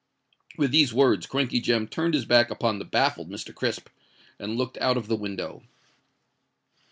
With these words, Crankey Jem turned his back upon the baffled Mr. Crisp, and looked out of the window.